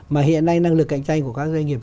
mà hiện nay năng lực cạnh tranh của các doanh nghiệp